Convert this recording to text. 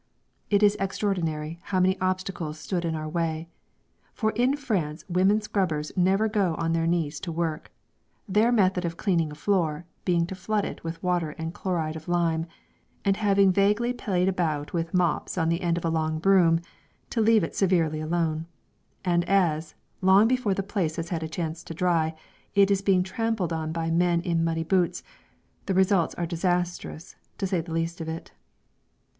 It is extraordinary how many obstacles stood in our way. For in France women scrubbers never go on their knees to work, their method of cleaning a floor being to flood it with water and chloride of lime, and having vaguely played about with mops on the end of a long broom, to leave it severely alone; and as, long before the place has had a chance to dry, it is being tramped on by men in muddy boots, the results are disastrous, to say the least of it.